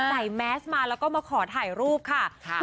แมสมาแล้วก็มาขอถ่ายรูปค่ะ